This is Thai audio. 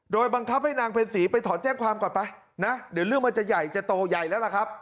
โดยบังคับให้นางเพ็ญศรีไปถอนแจ้งความก่อนไปนะเดี๋ยวเรื่องมันจะใหญ่จะโตใหญ่แล้วล่ะครับ